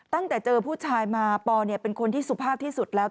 ตั้งแต่เจอผู้ชายมาปอเป็นคนที่สุภาพที่สุดแล้ว